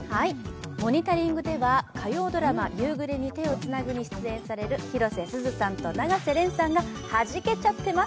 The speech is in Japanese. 「モニタリング」では火曜ドラマ「夕暮れに、手をつなぐ」に出演される広瀬すずさんと永瀬廉さんがはじけちゃってます。